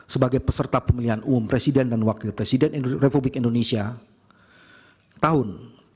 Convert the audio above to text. sebagai peserta pemilihan umum presiden dan wakil presiden republik indonesia tahun dua ribu sembilan belas